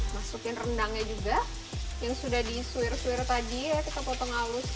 masukin rendangnya juga yang sudah disuir suir tadi ya kita potong halus seperti ini